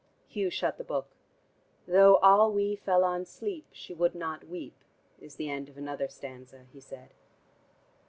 Hugh shut the book. "'Though all we fell on sleep, she would not weep,' is the end of another stanza," he said.